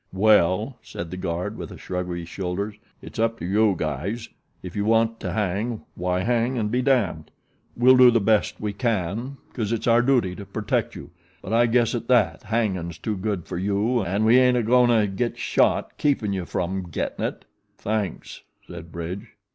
"Well," said the guard, with a shrug of his shoulders, "it's up to you guys. If you want to hang, why hang and be damned. We'll do the best we can 'cause it's our duty to protect you; but I guess at that hangin's too good fer you, an' we ain't a goin' to get shot keepin' you from gettin' it." "Thanks," said Bridge.